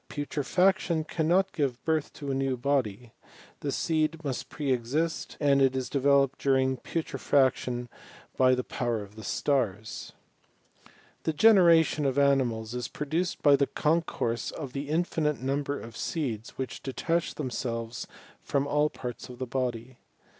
Putrefaction cannot give birth to a new body : the seed must pre exist, and it is developed during putre faction by the power of the stars. The generation of animals is produced by the concourse of the infinite number of seeds which detach themselves from all parts of the body.